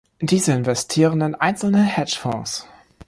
Diese investieren in einzelne Hedgefonds.